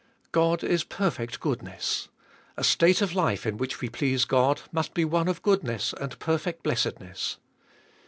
God is perfect goodness : a state of life in which we please God must be one of goodness and perfect blessedness.